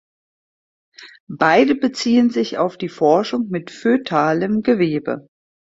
Beide beziehen sich auf die Forschung mit fötalem Gewebe.